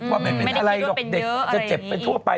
ไม่ได้คิดว่าเป็นเยอะจะเจ็บเป็นทั่วไป